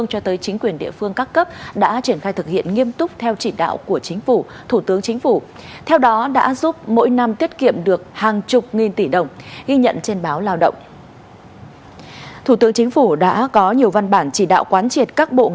hãy đăng ký kênh để nhận thông tin nhất